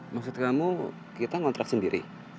maksud kamu kita ngontrak sendiri